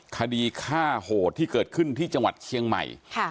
คดีฆ่าโหดที่เกิดขึ้นที่จังหวัดเชียงใหม่